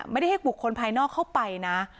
ไม่ได้ให้บุคคลภายนอกเข้าไปนะ